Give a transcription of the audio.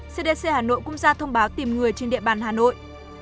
cdc hà nội cũng ra thông báo tìm người trên địa bàn hà nội